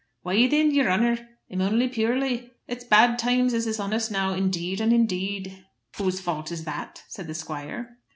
"Why thin, yer honour, I'm only puirly. It's bad times as is on us now, indeed and indeed." "Whose fault is that?" said the squire.